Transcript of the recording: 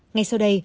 ngay sau đây